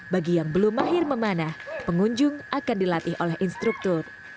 bagi yang belum mahir memanah pengunjung akan dilatih oleh instruktur